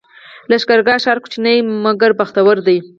لښکرګاه ښار کوچنی مګر بختور دی